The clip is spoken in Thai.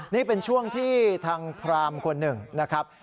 นี่เป็นช่วงที่ทางพรามคนหนึ่งนะครับ